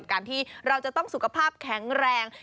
การที่เราจะต้องสุขภาพแข็งแรง